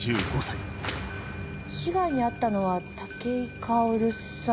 被害に遭ったのは武井薫さん。